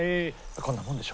こんなもんでしょ。